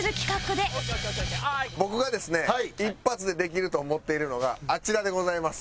僕がですね一発でできると思っているのがあちらでございます。